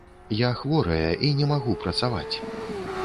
Я хворая і не магу працаваць!